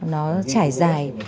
nó trải dài